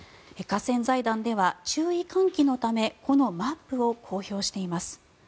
河川財団では注意喚起のためこのマップを公表しています。